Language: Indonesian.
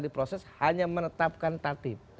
diproses hanya menetapkan tertib